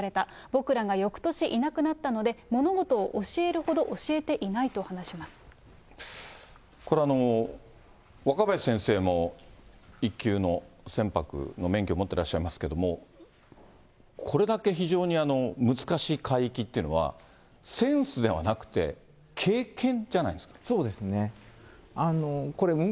僕らがよくとしいなくなったので、物事を教えるほど教えていないとこれ、若林先生も、１級の船舶の免許を持ってらっしゃいますけれども、これだけ非常に難しい海域っていうのは、センスではなくて、そうですね。